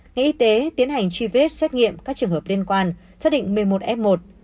ngành y tế tiến hành truy vết xét nghiệm các trường hợp liên quan xác định một mươi một f một